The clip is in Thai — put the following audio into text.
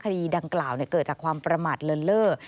คดีดังกล่าวเกิดจากความประมาทเลินเล่อ